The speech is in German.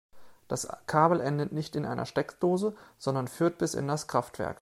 Das Kabel endet nicht in einer Steckdose, sondern führt bis in das Kraftwerk.